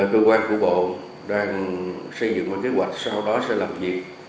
cơ quan của bộ đang xây dựng một kế hoạch sau đó sẽ làm việc